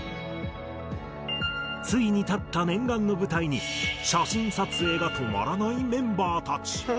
ついに立った念願の舞台に写真撮影が止まらないメンバーたち。